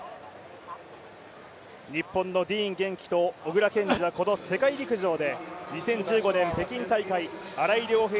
日本のディーン元気と小椋健司がこの世界陸上で２０１５年北京大会、新井涼平